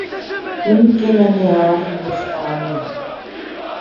ان کے ننھیال ہندوستان میں ہیں۔